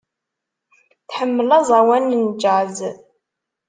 Tḥemmel aẓawan n jazz.